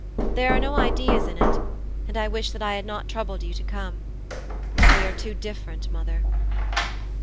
There are no ideas in it, and I wish that I had not troubled you to come. We are too different, mother.'